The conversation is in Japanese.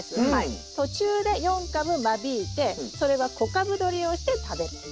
途中で４株間引いてそれは小株どりをして食べる。